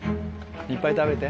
いっぱい食べて。